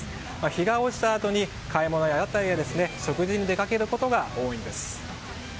日が落ちたあとに買い物や、屋台に食事に出かけることが多いんです。